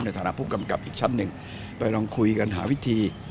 ในฐานะผู้กำกับอีกชั้นหนึ่งไปลองคุยกันหาวิธี